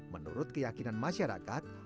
menurut keyakinan masyarakat